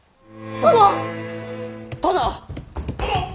殿！